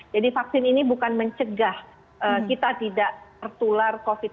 jadi vaksin ini bukan mencegah kita tidak tertular covid sembilan belas